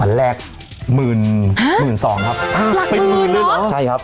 วันแรกมืนฮ่ามืนสองครับอ่าเป็นหมื่นเหรอใช่ครับ